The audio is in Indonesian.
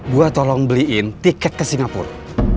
gue tolong beliin tiket ke singapura